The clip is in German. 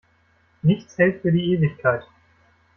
Nichts hält für die Ewigkeit.